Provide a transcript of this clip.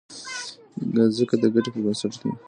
ځکه د ګټې پر بنسټ دی.